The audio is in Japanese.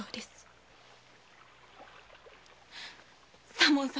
左門様